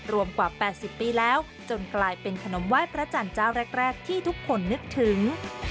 รวมกว่า๘๐ปีแล้วจนกลายเป็นขนมไหว้พระจันทร์เจ้าแรกที่ทุกคนนึกถึง